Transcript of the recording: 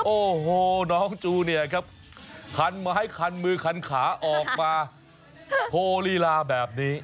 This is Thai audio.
โอ้โหน้องจูเนียครับคันไม้คันมือคันขาออกมาโชว์ลีลาแบบนี้